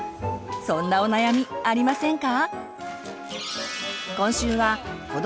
そんなお悩みありませんか？